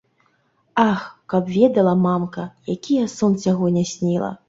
Ах, каб ведала, мамка, які я сон сягоння сніла?!